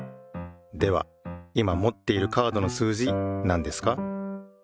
では今もっているカードの数字なんですか？